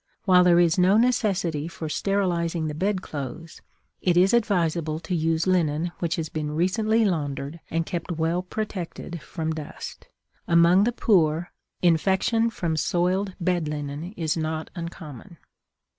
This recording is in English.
While there is no necessity for sterilizing the bed clothes, it is advisable to use linen which has been recently laundered and kept well protected from dust. Among the poor, infection from soiled bed linen is not uncommon.